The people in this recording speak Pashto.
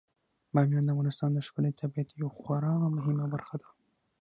بامیان د افغانستان د ښکلي طبیعت یوه خورا مهمه برخه ده.